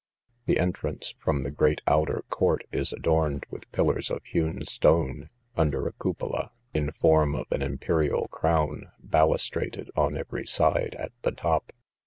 The entrance from the great outer court is adorned with pillars of hewn stone, under a cupola, in form of an imperial crown, balustrated on each side at the top.